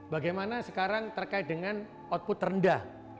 bagaimana sekarang terkait dengan output rendah